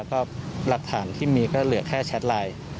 แล้วก็หลักฐานที่มีก็เหลือแค่แชทไลน์